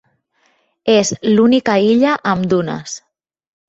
És l'única illa amb dunes.